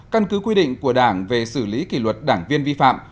căn cứ quy định của đảng về xử lý kỷ luật đảng viên vi phạm